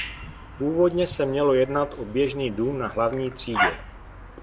Původně se mělo jednat o běžný dům na hlavní třídě.